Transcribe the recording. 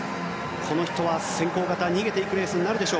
この人は先行型逃げていくレースになるか。